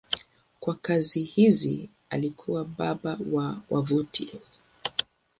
Kwa kazi hizi alikuwa baba wa wavuti.